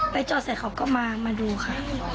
ไปจอดเศษเขาก็มามาดูค่ะ